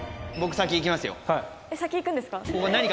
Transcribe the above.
先いくんですか？